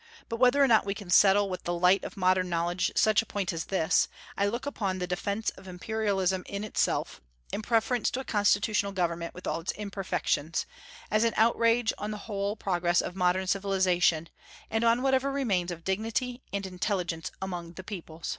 But whether or not we can settle with the light of modern knowledge such a point as this, I look upon the defence of imperialism in itself, in preference to constitutional government with all its imperfections, as an outrage on the whole progress of modern civilization, and on whatever remains of dignity and intelligence among the people.